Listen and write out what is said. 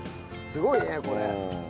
すごいねこれ。